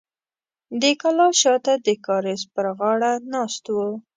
د کلا شاته د کاریز پر غاړه ناست و.